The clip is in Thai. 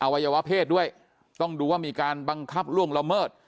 วัยวะเพศด้วยต้องดูว่ามีการบังคับล่วงละเมิด